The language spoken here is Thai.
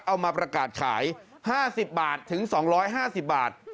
เอามาประกาศขาย๕๐บาทถึง๒๕๐บาท